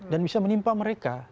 dan bisa menimpa mereka